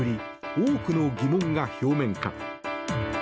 多くの疑問が表面化。